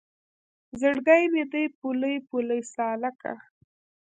زړګی مې دی پولۍ پولۍ سالکه